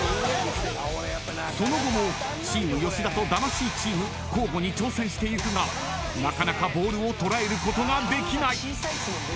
［その後もチーム吉田と魂チーム交互に挑戦していくがなかなかボールをとらえることができない］